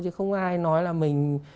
chứ không ai nói là mình